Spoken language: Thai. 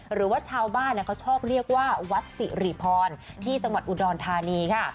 หรือว่าชาวบ้านเขาชอบเรียกว่าวัดสิริพรที่จังหวัดอุดรธานีค่ะ